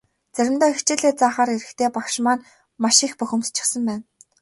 Заримдаа хичээлээ заахаар ирэхдээ багш маань маш их бухимдчихсан байна.